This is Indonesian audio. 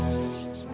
ya makasih ya